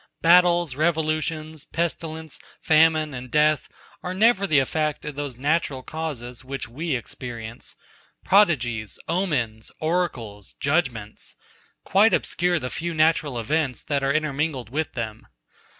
Battles, revolutions, pestilence, famine and death, are never the effect of those natural causes, which we experience. Prodigies, omens, oracles, judgements, quite obscure the few natural events, that are intermingled with them.